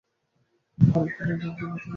পরেশ বলিলেন, আপনি মাঝে মাঝে এলে খুশি হব।